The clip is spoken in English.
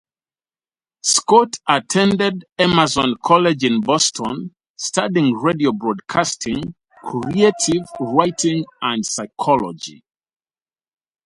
Scott attended Emerson College in Boston, studying radio broadcasting, creative writing and psychology.